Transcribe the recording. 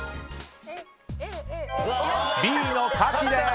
Ｂのカキです！